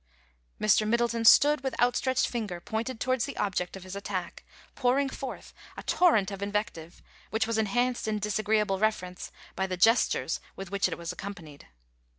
Mr. Middleton stood with outstretched finger pointed towards the object of his attack, pouring forth a torrent of invective, which was enhanced in disagreeable reference by the gestures with which it was accompanied.